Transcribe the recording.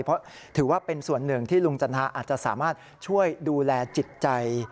เพราะถือว่าเป็นส่วนหนึ่งที่ลุงจันทนาอาจจะสามารถช่วยดูแลจิตใจ